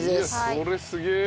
これすげえ。